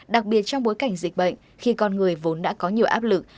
đặc biệt trong bối cảnh dịch bệnh khi con người vốn đã có nhiều áp lực